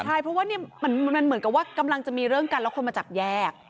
ใช่เพราะว่ามันเหมือนกับว่ากำลังจะมีเรื่องกันแล้วคนมาจับแยก